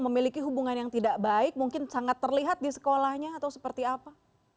memiliki hubungan yang tidak baik mungkin sangat terlihat di sekolahnya atau seperti apa